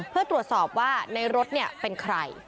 เพื่อตรวจสอบว่าในรถเป็นใคร